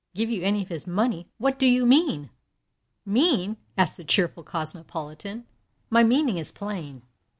"Give you any of his money? What do you mean?" "Mean?" answered the cheerful cosmopolitan; "my meaning is plain.